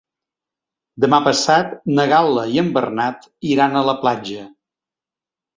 Demà passat na Gal·la i en Bernat iran a la platja.